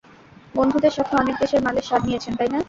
বন্ধুদের সাথে অনেক দেশের মালের স্বাধ নিয়েছেন, তাই না?